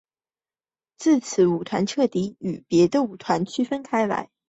自此舞团彻底与别的舞团区别开来。